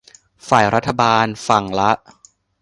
ฝ่ายรัฐบาลฝั่งละ